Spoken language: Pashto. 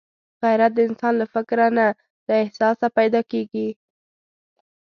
غیرت د انسان له فکره نه، له احساسه پیدا کېږي